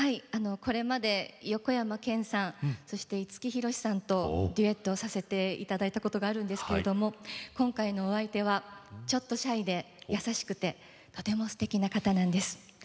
これまで横山剣さんそして、五木ひろしさんとデュエットさせていただいたことがあるんですけども今回のお相手はちょっとシャイで優しくてとても、すてきな方なんです。